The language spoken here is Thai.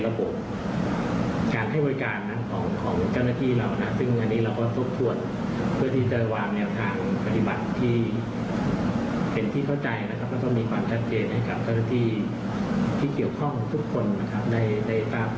ที่เกี่ยวข้อของทุกคนนะครับในตามนะครับ